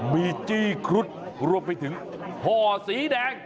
มีจี้ครุฑรวมไปถึงห่อสีแดง